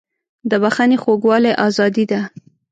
د بښنې خوږوالی ازادي ده.